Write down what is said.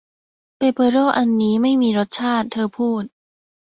เปเปอโรนี่อันนี้ไม่มีรสชาติเธอพูด